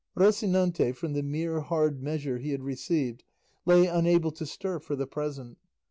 Rocinante from the mere hard measure he had received lay unable to stir for the present.